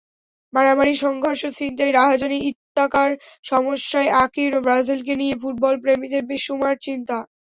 মারামারি, সংঘর্ষ, ছিনতাই, রাহাজানি ইত্যাকার সমস্যায় আকীর্ণ ব্রাজিলকে নিয়ে ফুটবলপ্রেমীদের বেশুমার চিন্তা।